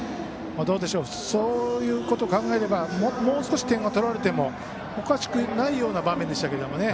そういうことを考えればもう少し点を取られてもおかしくないような場面でしたけどね。